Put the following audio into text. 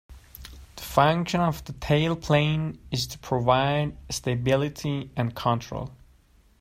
The function of the tailplane is to provide stability and control.